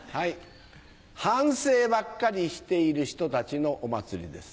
反省ばっかりしている人たちのお祭りです。